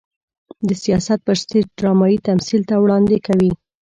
د سياست پر سټېج ډرامايي تمثيل ته وړاندې کوي.